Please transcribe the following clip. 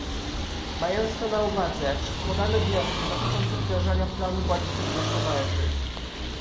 Mając to na uwadze, przedkładamy wnioski dotyczące wdrażania planu bodźców gospodarczych